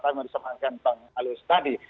tapi pak lusius tadi